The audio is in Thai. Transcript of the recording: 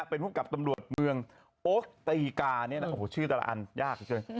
เป็นภูมิกับตำรวจเมืองโอสตีกาเนี่ยนะโอ้โหชื่อแต่ละอันยากเหลือเกิน